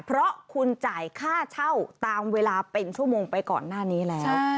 เพราะคุณจ่ายค่าเช่าตามเวลาเป็นชั่วโมงไปก่อนหน้านี้แล้ว